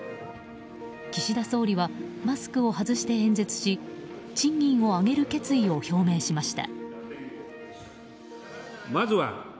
岸田総理はマスクを外して演説し賃金を上げる決意を表明しました。